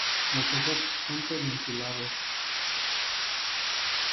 Los ojos son pedunculados.